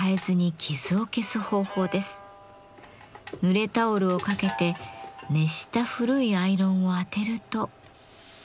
ぬれタオルをかけて熱した古いアイロンを当てると。